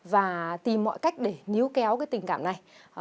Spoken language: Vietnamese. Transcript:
và tìm mọi cách để níu kéo cái tình cảm này